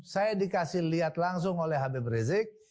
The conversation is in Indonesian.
saya dikasih lihat langsung oleh habib rizik